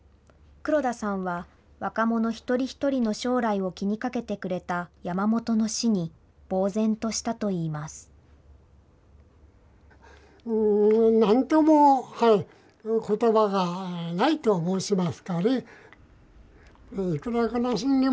黒田さんは、若者一人一人の将来を気にかけてくれた山本の死に、ぼう然としたといいます。